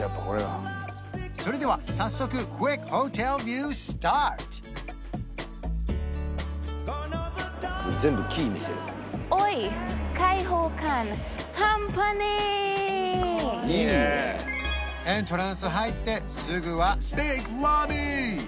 それでは早速エントランス入ってすぐはビッグロビー！